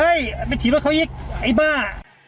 เฮ้ยไปทีรถเขาอีกไอ้บ้า